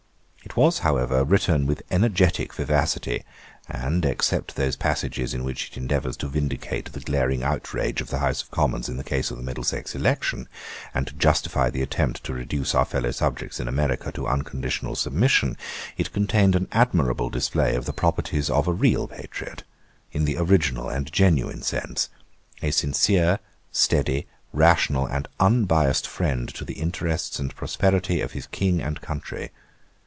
It was, however, written with energetick vivacity; and, except those passages in which it endeavours to vindicate the glaring outrage of the House of Commons in the case of the Middlesex election, and to justify the attempt to reduce our fellow subjects in America to unconditional submission, it contained an admirable display of the properties of a real patriot, in the original and genuine sense; a sincere, steady, rational, and unbiassed friend to the interests and prosperity of his King and country.